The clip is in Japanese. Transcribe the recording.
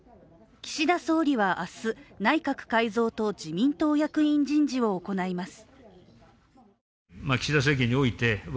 岸田総理は明日、内閣改造と自民党役員人事を行います。